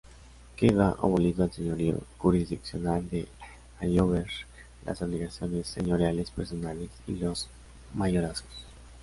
Queda abolido el señorío jurisdiccional de Añover, las obligaciones señoriales personales y los mayorazgos.